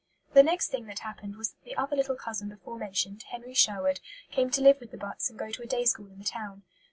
The next thing that happened was that the other little cousin before mentioned, Henry Sherwood, came to live with the Butts and go to a day school in the town.